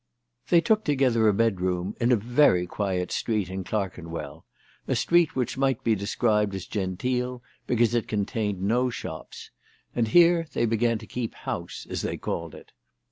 They took together a bedroom in a very quiet street in Clerkenwell, a street which might be described as genteel because it contained no shops ; and here they THE TELEGRAPH GIRL. 271 began to keep house, as they called it.